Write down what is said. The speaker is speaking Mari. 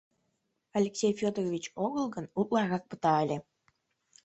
Алексей Федорович огыл гын, утларак пыта ыле?..